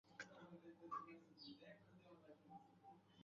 তবে দীর্ঘ সময় চরাঞ্চলে জঙ্গিবিরোধী অভিযানের কারণে এলাকায় জনসচেতনতা তৈরি হয়েছে।